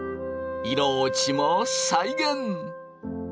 色落ちも再現！